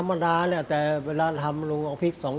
กล่าวค้านถึงกุ้ยเตี๋ยวลุกชิ้นหมูฝีมือลุงส่งมาจนถึงทุกวันนี้นั่นเองค่ะ